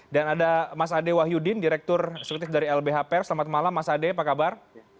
dan ada mas ade wahyudin direktur sekretaris dari lbhpr selamat malam mas ade apa kabar